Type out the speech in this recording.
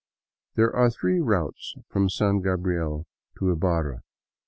There are three routes from San Gabriel to Ibarra.